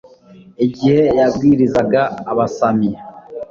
igihe yabwirizaga abasami